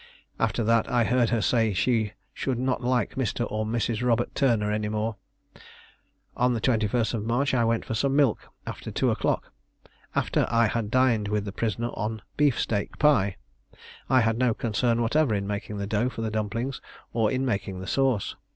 After that I heard her say she should not like Mr. or Mrs. Robert Turner any more. On the 21st of March I went for some milk after two o'clock, after I had dined with the prisoner on beef steak pie. I had no concern whatever in making the dough for the dumplings, or in making the sauce.